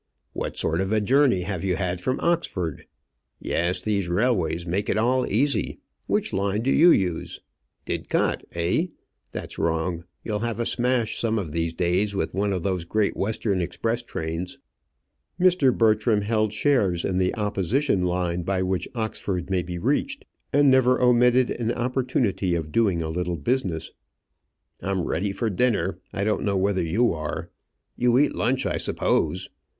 "What sort of a journey have you had from Oxford? Yes, these railways make it all easy. Which line do you use? Didcot, eh? That's wrong. You'll have a smash some of these days with one of those Great Western express trains" Mr. Bertram held shares in the opposition line by which Oxford may be reached, and never omitted an opportunity of doing a little business. "I'm ready for dinner; I don't know whether you are. You eat lunch, I suppose.